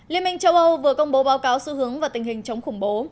liên minh châu âu vừa công bố báo cáo xu hướng và tình hình chống khủng bố